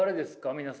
皆さんは。